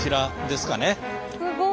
すごい。